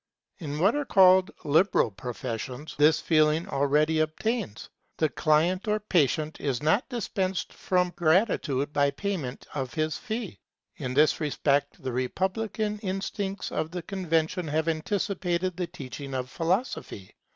In what are called liberal professions, this feeling already obtains. The client or patient is not dispensed from gratitude by payment of his fee. In this respect the republican instincts of the Convention have anticipated the teaching of philosophy.